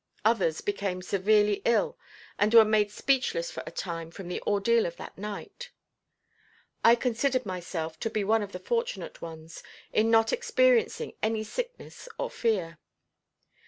Others became severely ill and were made speechless for a time from the ordeal of that night. I considered myself to be one of the fortunate ones in not experiencing any sickness or fear.